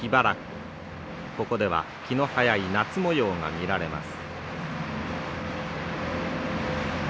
ここでは気の早い夏模様が見られます。